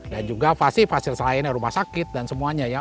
dan juga fasilitas lainnya rumah sakit dan semuanya ya